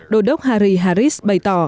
đô đốc harry harris bày tỏ